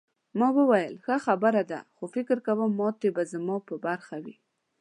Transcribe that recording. ما وویل ښه خبره ده خو فکر کوم ماتې به زما په برخه وي.